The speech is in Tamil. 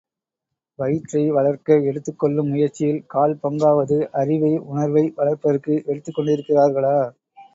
வயிற்றை வளர்க்க எடுத்துக் கொள்ளும் முயற்சியில் கால் பங்காவது அறிவை உணர்வை வளர்ப்பதற்கு எடுத்துக் கொண்டிருக்கிறார்களா?